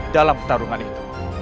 dalam pertarungan itu